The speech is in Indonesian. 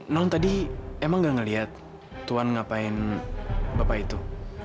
non tadi emang gak ngeliat tuhan ngapain bapak itu